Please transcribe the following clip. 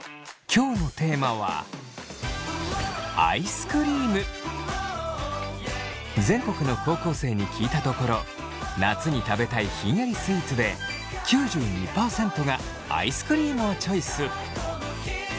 今日のテーマは全国の高校生に聞いたところ夏に食べたいひんやりスイーツで９２％がアイスクリームをチョイス。